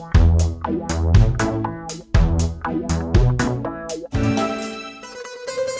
makasih ya mas